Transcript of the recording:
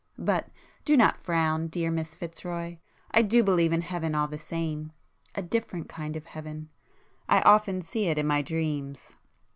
But——do not frown, dear Miss Fitzroy!—I do believe in Heaven all the same,—a different kind of heaven,—I often see it in my dreams!"